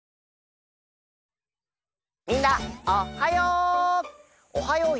みんなおはよう！